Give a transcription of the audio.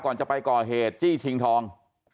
ก่อนจะไปก่อเหตุจี้ชิงทอง